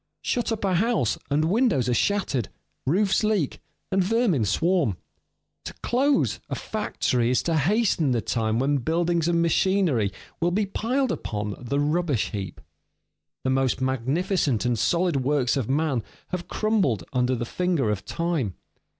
Shut up a house, and windows are shattered, roofs leak, and vermin swarm. To close a factory is to hasten the time when buildings and machinery will be piled upon the rubbish heap. The most magnificent and solid works of man have crumbled under the finger of time.